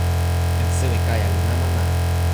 jan sewi Kaja li mama ma.